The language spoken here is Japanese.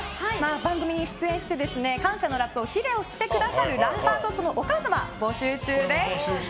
番組に出演して感謝のラップを披露してくださるラッパーとそのお母様募集中です。